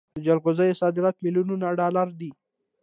د جلغوزیو صادرات میلیونونه ډالر دي.